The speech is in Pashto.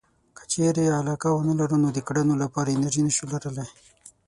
که چېرې علاقه ونه لرو نو د کړنو لپاره انرژي نشو لرلای.